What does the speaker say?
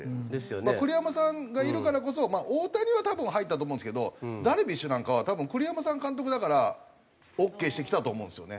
栗山さんがいるからこそまあ大谷は多分入ったと思うんですけどダルビッシュなんかは多分栗山さんが監督だからオーケーしてきたと思うんですよね。